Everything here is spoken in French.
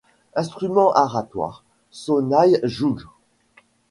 Instruments aratoires, sonnailles, jougs.